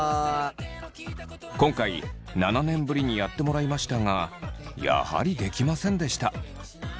今回７年ぶりにやってもらいましたがやはりできませんでした。